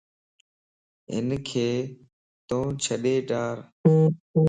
ھنک تو ڇڏي ڊار